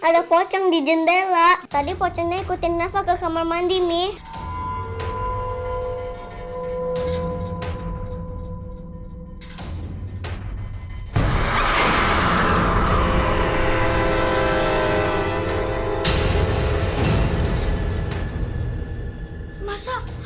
wah orang mau tabrak nih